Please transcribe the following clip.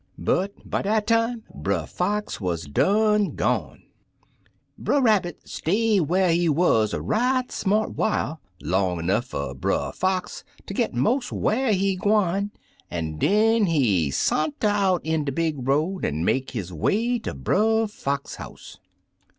But by dat time, Brer Fox wuz done gone. " Brer Rabbit stayed whar he wuz a right smart whet, long *nough fer Brer Fox ter mos' git whar he gwine, an' den he sa'nter'd out in de big road an' make his way ter Brer Fox' house.